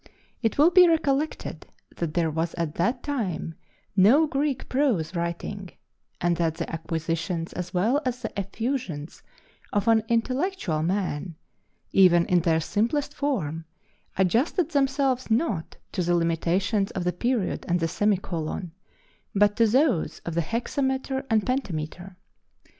It will be recollected that there was at that time no Greek prose writing, and that the acquisitions as well as the effusions of an intellectual man, even in their simplest form, adjusted themselves not to the limitations of the period and the semicolon, but to those of the hexameter and pentameter.